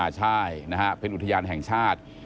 ใช่นะฮะเป็นอุทยานแห่งชาติ